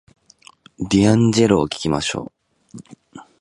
ディアンジェロを聞きましょう